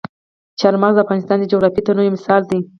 چار مغز د افغانستان د جغرافیوي تنوع یو مثال دی.